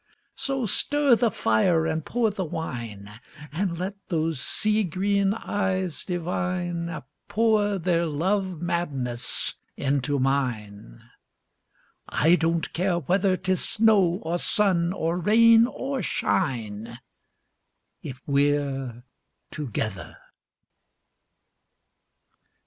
So stir the fire and pour the wine, And let those sea green eyes divine Pour their love madness into mine : I don't care whether 'Tis snow or sun or rain or shine If we're together.